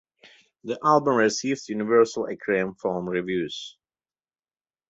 The album received universal acclaim from reviews.